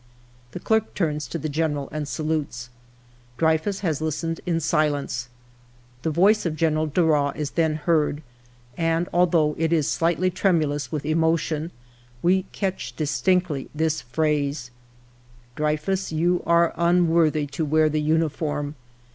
" The clerk turns to the General and salutes. Dreyfus has listened in silence. The voice of General Darras is then heard, and although it is slightly tremulous with emotion, we catch distinctly this phrase :—"' Dreyfus, you are unworthy to wear the uniform.